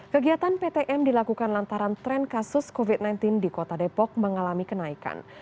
kegiatan ptm dilakukan lantaran tren kasus covid sembilan belas di kota depok mengalami kenaikan